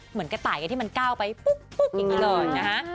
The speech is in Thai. เหมือนกระต่ายที่มันก้าวไปปุ๊บอย่างนี้เลยนะฮะ